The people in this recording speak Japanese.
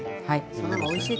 はい。